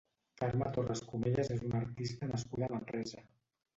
Carme Torras Comellas és una artista nascuda a Manresa.